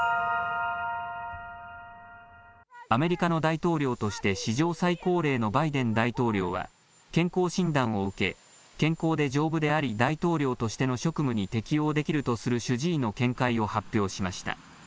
アメリカの大統領として史上最高齢のバイデン大統領は、健康診断を受け、健康で丈夫であり大統領としての職務に適応できるとする、主治医の見解を発表しました。